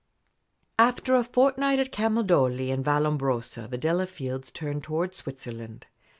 After a fortnight at Camaldoli and Vallombrosa the Delafields turned towards Switzerland.